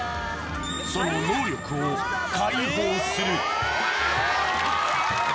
その能力を解放する！